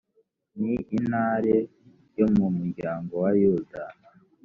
ni intare yo mu muryango wa yuda